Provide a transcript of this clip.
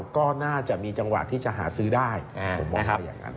ก็น่าจะมีจังหวะที่จะหาซื้อได้ผมมองไปอย่างนั้น